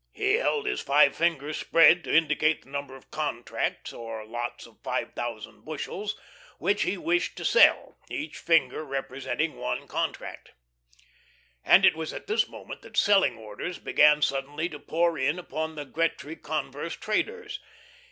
He held his five fingers spread to indicate the number of "contracts," or lots of five thousand bushels, which he wished to sell, each finger representing one "contract." And it was at this moment that selling orders began suddenly to pour in upon the Gretry Converse traders.